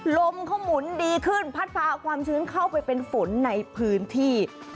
ลมเขาหมุนดีขึ้นพัดพาเอาความชื้นเข้าไปเป็นฝนในพื้นที่